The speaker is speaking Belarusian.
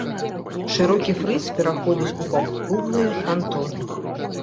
Шырокі фрыз пераходзіць у паўкруглыя франтоны.